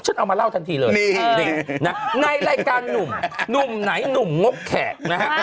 เอามาเล่าทันทีเลยนี่ในรายการหนุ่มหนุ่มหนุ่มไหนหนุ่มงกแขกนะฮะ